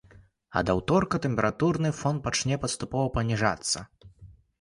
Ад аўторка тэмпературны фон пачне паступова паніжацца.